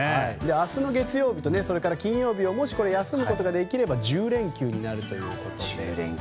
明日の月曜日と金曜日をもし休むことができれば１０連休になるということです。